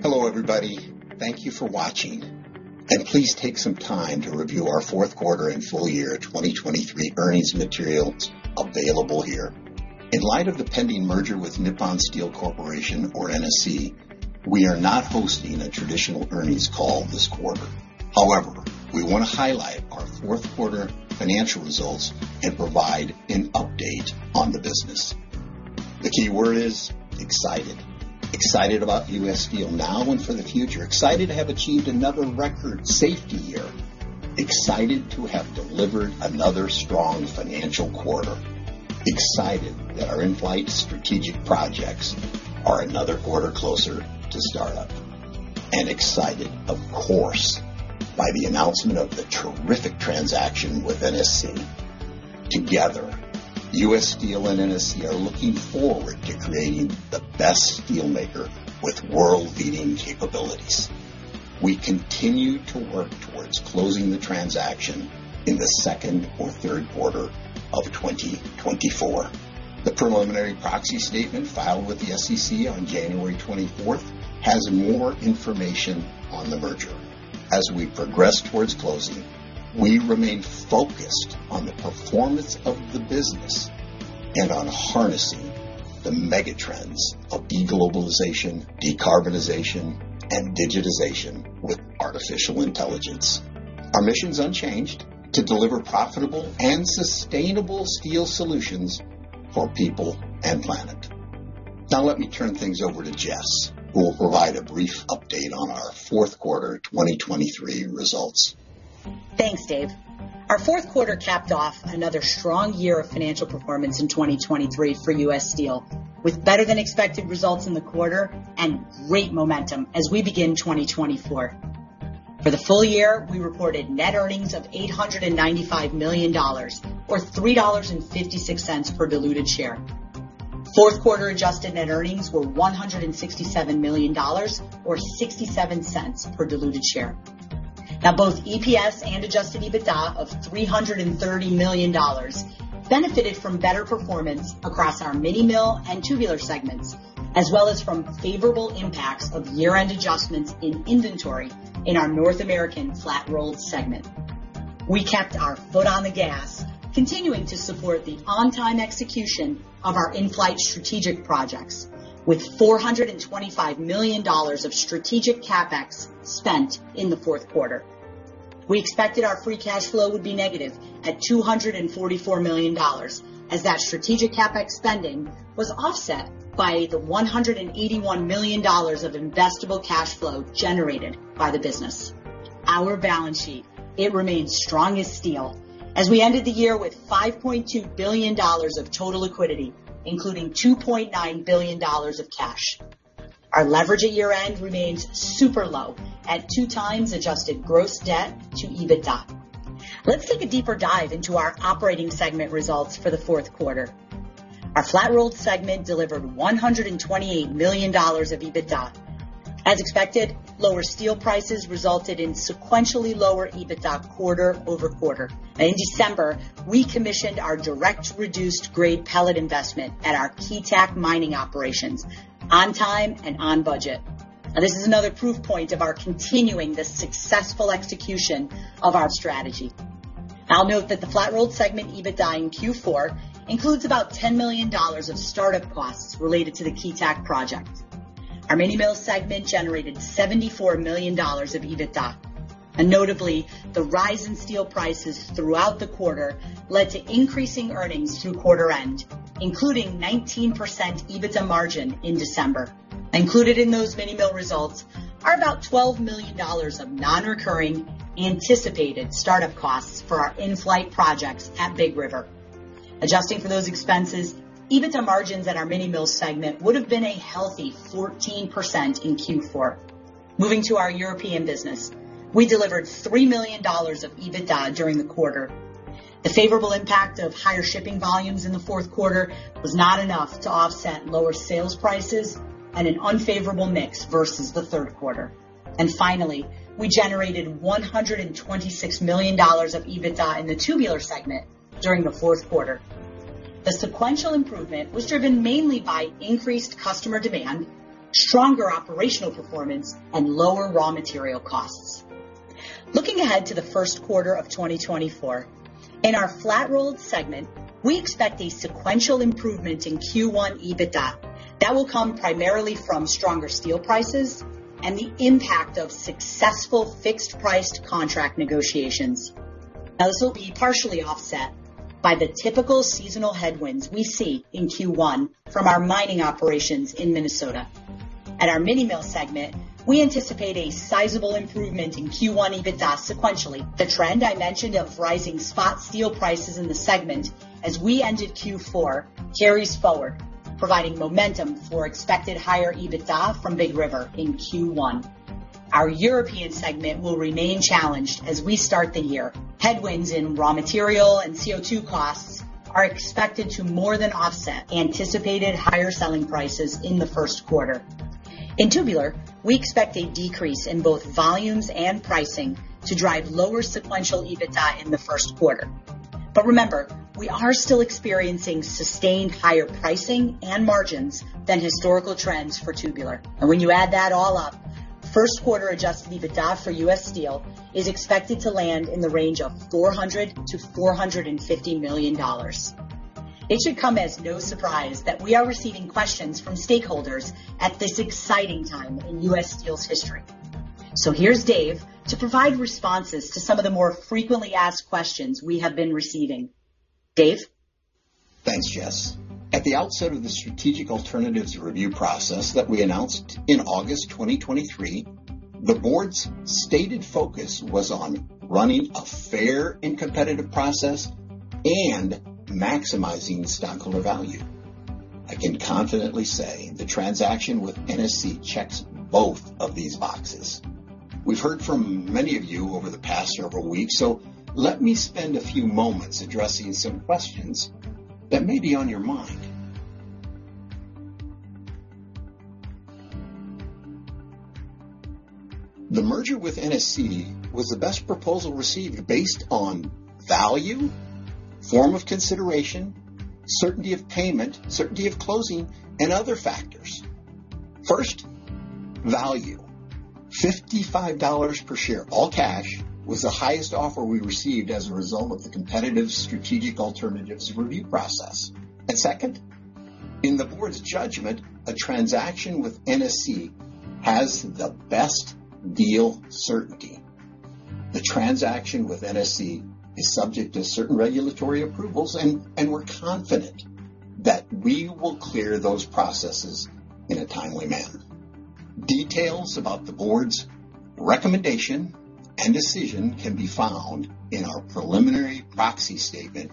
Hello, everybody. Thank you for watching, and please take some time to review our fourth quarter and full year 2023 earnings materials available here. In light of the pending merger with Nippon Steel Corporation, or NSC, we are not hosting a traditional earnings call this quarter. However, we want to highlight our fourth quarter financial results and provide an update on the business. The key word is: excited. Excited about U. S. Steel now and for the future. Excited to have achieved another record safety year. Excited to have delivered another strong financial quarter. Excited that our in-flight strategic projects are another quarter closer to startup. And excited, of course, by the announcement of the terrific transaction with NSC. Together, U. S. Steel and NSC are looking forward to creating the best steelmaker with world-leading capabilities. We continue to work towards closing the transaction in the second or third quarter of 2024. The preliminary proxy statement, filed with the SEC on January 24th, has more information on the merger. As we progress towards closing, we remain focused on the performance of the business and on harnessing the mega trends of de-globalization, decarbonization, and digitization with artificial intelligence. Our mission's unchanged: to deliver profitable and sustainable steel solutions for people and planet. Now, let me turn things over to Jess, who will provide a brief update on our fourth quarter 2023 results. Thanks, Dave. Our fourth quarter capped off another strong year of financial performance in 2023 for U. S. Steel, with better than expected results in the quarter and great momentum as we begin 2024. For the full year, we reported net earnings of $895 million, or $3.56 per diluted share. Fourth quarter adjusted net earnings were $167 million, or $0.67 per diluted share. Now, both EPS and Adjusted EBITDA of $330 million benefited from better performance across our mini mill and tubular segments, as well as from favorable impacts of year-end adjustments in inventory in our North American Flat Rolled segment. We kept our foot on the gas, continuing to support the on-time execution of our in-flight strategic projects, with $425 million of strategic CapEx spent in the fourth quarter. We expected our free cash flow would be negative $244 million, as that strategic CapEx spending was offset by the $181 million of investable cash flow generated by the business. Our balance sheet remains strong as steel, as we ended the year with $5.2 billion of total liquidity, including $2.9 billion of cash. Our leverage at year-end remains super low at 2x adjusted gross debt to EBITDA. Let's take a deeper dive into our operating segment results for the fourth quarter. Our Flat Rolled segment delivered $128 million of EBITDA. As expected, lower steel prices resulted in sequentially lower EBITDA quarter-over-quarter. Now, in December, we commissioned our direct reduced grade pellet investment at our Keetac mining operations on time and on budget. Now, this is another proof point of our continuing the successful execution of our strategy. I'll note that the Flat Rolled Segment EBITDA in Q4 includes about $10 million of start-up costs related to the Keetac project. Our Mini Mill Segment generated $74 million of EBITDA, and notably, the rise in steel prices throughout the quarter led to increasing earnings through quarter end, including 19% EBITDA margin in December. Included in those Mini Mill results are about $12 million of non-recurring anticipated start-up costs for our in-flight projects at Big River. Adjusting for those expenses, EBITDA margins at our Mini Mill Segment would have been a healthy 14% in Q4. Moving to our European business, we delivered $3 million of EBITDA during the quarter. The favorable impact of higher shipping volumes in the fourth quarter was not enough to offset lower sales prices and an unfavorable mix versus the third quarter. And finally, we generated $126 million of EBITDA in the Tubular Segment during the fourth quarter. The sequential improvement was driven mainly by increased customer demand, stronger operational performance, and lower raw material costs. Looking ahead to the first quarter of 2024, in our Flat Rolled Segment, we expect a sequential improvement in Q1 EBITDA that will come primarily from stronger steel prices and the impact of successful fixed-priced contract negotiations. Now, this will be partially offset by the typical seasonal headwinds we see in Q1 from our mining operations in Minnesota. At our Mini Mill segment, we anticipate a sizable improvement in Q1 EBITDA sequentially. The trend I mentioned of rising spot steel prices in the segment as we ended Q4 carries forward, providing momentum for expected higher EBITDA from Big River in Q1. Our European segment will remain challenged as we start the year. Headwinds in raw material and CO2 costs are expected to more than offset anticipated higher selling prices in the first quarter. In Tubular, we expect a decrease in both volumes and pricing to drive lower sequential EBITDA in the first quarter. But remember, we are still experiencing sustained higher pricing and margins than historical trends for tubular. And when you add that all up, first quarter adjusted EBITDA for U. S. Steel is expected to land in the range of $400 million-$450 million. It should come as no surprise that we are receiving questions from stakeholders at this exciting time in U. S. Steel's history. Here's Dave to provide responses to some of the more frequently asked questions we have been receiving. Dave? Thanks, Jess. At the outset of the strategic alternatives review process that we announced in August 2023, the board's stated focus was on running a fair and competitive process and maximizing stockholder value. I can confidently say the transaction with NSC checks both of these boxes. We've heard from many of you over the past several weeks, so let me spend a few moments addressing some questions that may be on your mind. The merger with NSC was the best proposal received based on value, form of consideration, certainty of payment, certainty of closing, and other factors. First, value. $55 per share, all cash, was the highest offer we received as a result of the competitive strategic alternatives review process. And second, in the board's judgment, a transaction with NSC has the best deal certainty. The transaction with NSC is subject to certain regulatory approvals, and we're confident that we will clear those processes in a timely manner. Details about the board's recommendation and decision can be found in our preliminary proxy statement,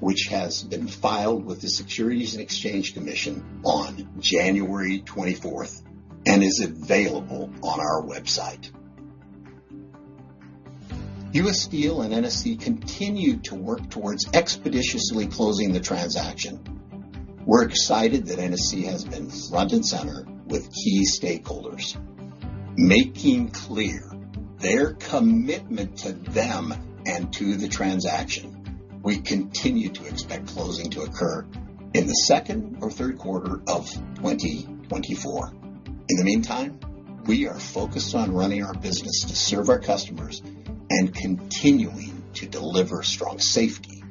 which has been filed with the Securities and Exchange Commission on January twenty-fourth and is available on our website. U. S. Steel and NSC continue to work towards expeditiously closing the transaction. We're excited that NSC has been front and center with key stakeholders, making clear their commitment to them and to the transaction. We continue to expect closing to occur in the second or third quarter of 2024. In the meantime, we are focused on running our business to serve our customers and continuing to deliver strong safety,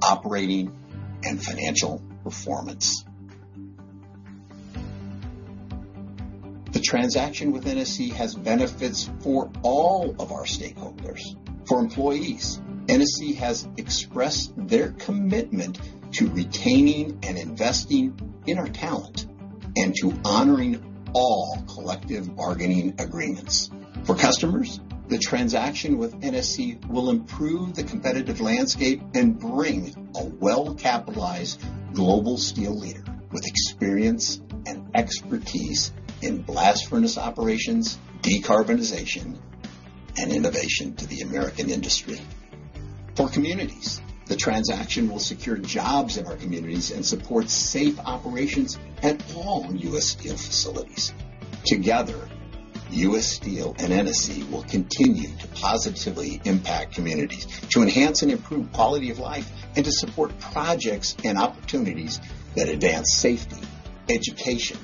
operating, and financial performance. The transaction with NSC has benefits for all of our stakeholders. For employees, NSC has expressed their commitment to retaining and investing in our talent and to honoring all collective bargaining agreements. For customers, the transaction with NSC will improve the competitive landscape and bring a well-capitalized global steel leader with experience and expertise in blast furnace operations, decarbonization, and innovation to the American industry. For communities, the transaction will secure jobs in our communities and support safe operations at all U. S. Steel facilities. Together, U. S. Steel and NSC will continue to positively impact communities, to enhance and improve quality of life, and to support projects and opportunities that advance safety, education,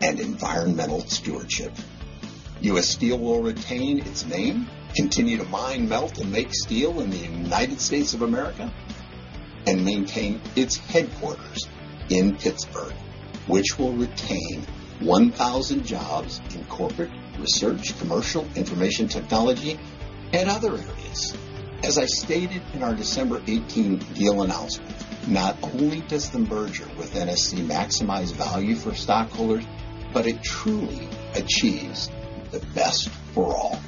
and environmental stewardship. U. S. Steel will retain its name, continue to mine, melt, and make steel in the United States of America, and maintain its headquarters in Pittsburgh, which will retain 1,000 jobs in corporate research, commercial, information technology, and other areas. As I stated in our December 18th deal announcement, not only does the merger with NSC maximize value for stockholders, but it truly achieves the Best for All.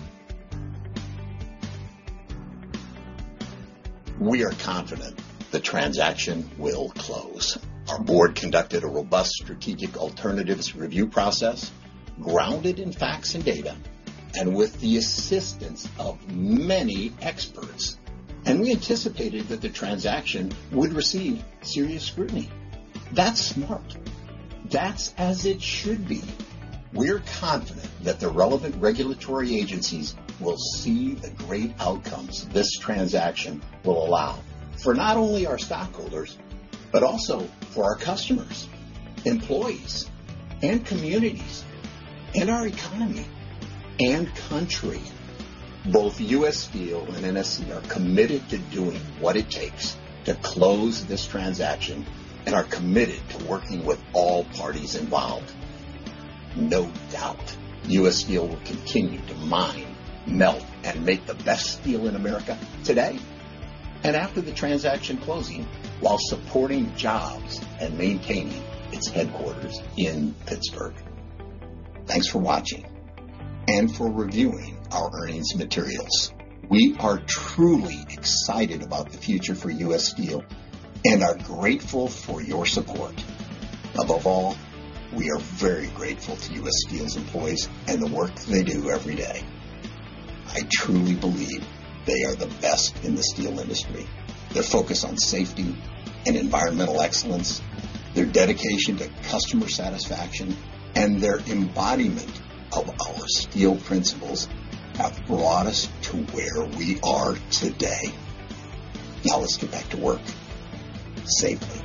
We are confident the transaction will close. Our board conducted a robust strategic alternatives review process grounded in facts and data, and with the assistance of many experts, and we anticipated that the transaction would receive serious scrutiny. That's smart. That's as it should be. We're confident that the relevant regulatory agencies will see the great outcomes this transaction will allow for not only our stockholders, but also for our customers, employees, and communities, and our economy and country. Both U. S. Steel and NSC are committed to doing what it takes to close this transaction and are committed to working with all parties involved. No doubt, U. S. Steel will continue to mine, melt, and make the best steel in America today and after the transaction closing, while supporting jobs and maintaining its headquarters in Pittsburgh. Thanks for watching and for reviewing our earnings materials. We are truly excited about the future for U. S. Steel and are grateful for your support. Above all, we are very grateful to U. S. Steel's employees and the work they do every day. I truly believe they are the best in the steel industry. Their focus on safety and environmental excellence, their dedication to customer satisfaction, and their embodiment of our S.T.E.E.L. Principles have brought us to where we are today. Now, let's get back to work, safely!